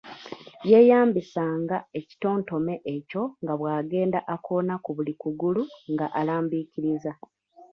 Yeeyambisanga ekitontome ekyo nga bwagenda akoona ku buli kugulu nga alambiikiriza.